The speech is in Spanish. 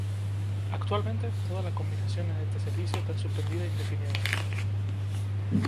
Actualmente todas las combinaciones de este servicio están suspendidas indefinidamente.